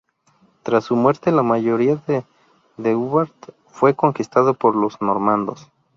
Tras su muerte, la mayoría de Deheubarth fue conquistado por los Normandos.